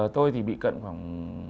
tôi thì bị cận khoảng